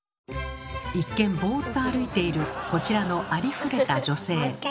一見ボーっと歩いているこちらのありふれた女性。